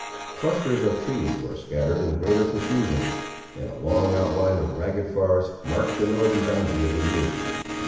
Clusters of trees were scattered in greater profusion, and a long outline of ragged forest marked the northern boundary of the view.